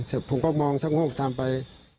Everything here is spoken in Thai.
เสร็จผมก็มองช่างโฮกตามไป